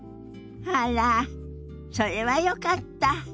あらそれはよかった。